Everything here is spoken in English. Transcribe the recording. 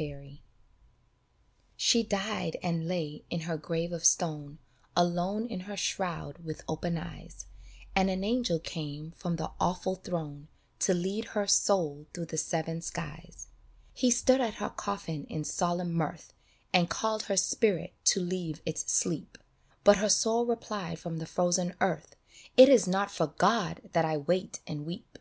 BALLAD SHE died and lay in her grave of stone, Alone in her shroud with open eyes, And an angel came from the awful throne To lead her soul through the seven skies. He stood at her coffin in solemn mirth And called her spirit to leave its sleep, But her soul replied from the frozen earth, " It is not for God that I wait and weep